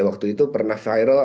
waktu itu pernah viral